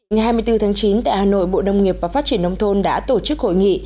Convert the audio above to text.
ngày hai mươi bốn tháng chín tại hà nội bộ nông nghiệp và phát triển nông thôn đã tổ chức hội nghị